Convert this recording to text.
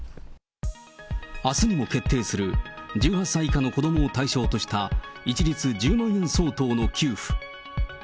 あすにも決定する、１８歳以下の子どもを対象とした一律１０万円相当の給付。